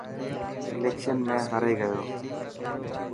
اليڪشن ۾ هاري گيو.